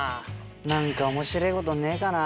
何か面白いことねえかな。